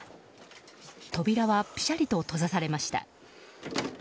扉はぴしゃりと閉ざされました。